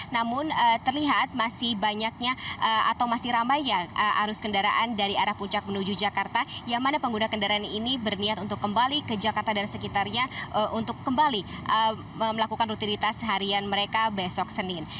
namun terlihat masih banyaknya atau masih ramai ya arus kendaraan dari arah puncak menuju jakarta yang mana pengguna kendaraan ini berniat untuk kembali ke jakarta dan sekitarnya untuk kembali melakukan rutinitas harian mereka besok senin